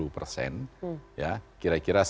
kira kira sekian puluh